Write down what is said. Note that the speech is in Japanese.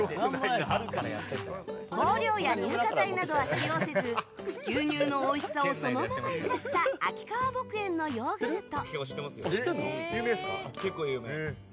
香料や乳化剤などは使用せず牛乳のおいしさをそのまま生かした秋川牧園のヨーグルト。